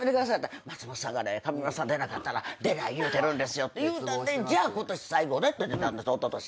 松本さんが上沼さん出なかったら出ない言うてるんですよって言うたんでじゃあ今年最後でって出たんですおととし。